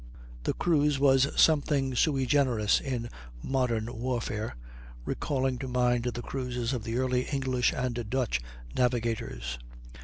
The cruise was something sui generis in modern warfare, recalling to mind the cruises of the early English and Dutch navigators.